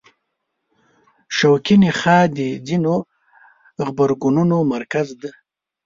شوکي نخاع د ځینو غبرګونونو مرکز دی.